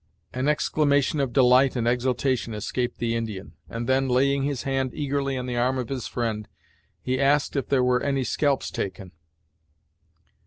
An exclamation of delight and exultation escaped the Indian, and then laying his hand eagerly on the arm of his friend, he asked if there were any scalps taken.